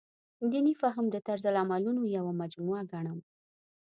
دیني فهم د طرزالعملونو یوه مجموعه ګڼم.